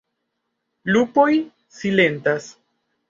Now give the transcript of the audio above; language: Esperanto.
Lupoj silentas.